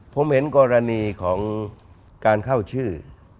ผมเห็นกรณีของการเข้าชื่อ